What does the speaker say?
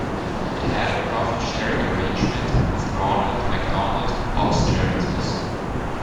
It had a profit-sharing arrangement with Ronald McDonald House Charities.